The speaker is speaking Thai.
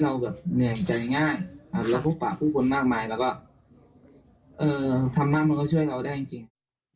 แล้วก็ธรรมะมันก็ช่วยเราได้จริง